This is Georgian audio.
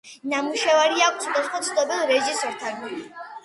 ნამუშევარი აქვს სხვადასხვა ცნობილ რეჟისორთან.